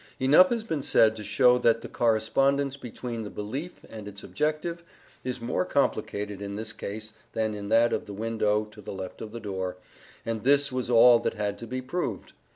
Enough has been said to show that the correspondence between the belief and its objective is more complicated in this case than in that of the window to the left of the door, and this was all that had to be proved.